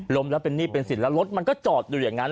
ล้มแล้วเป็นหนี้เป็นสินแล้วรถมันก็จอดอยู่อย่างนั้น